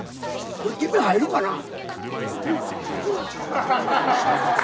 これ君入るかなぁ？